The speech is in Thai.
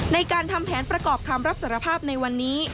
ในการทำแผนประกอบคำรับสารภาพในวันนี้